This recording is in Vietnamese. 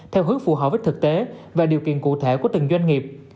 theo hướng phù hợp với thực tế và điều kiện cụ thể của từng doanh nghiệp